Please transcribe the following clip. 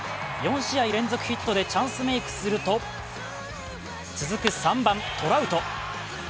４試合連続ヒットでチャンスメークすると、続く３番・トラウト。